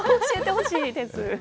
教えてほしいです。